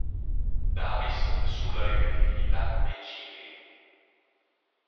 Davis sulla ripetitività dei cicli.